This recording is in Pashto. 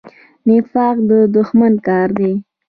نفاق د دښمن کار دی